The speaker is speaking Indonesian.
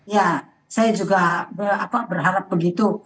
ya saya juga berharap begitu